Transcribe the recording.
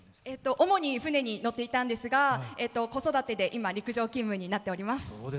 主に、船に乗っていたんですが子育てで今、陸上勤務になっております。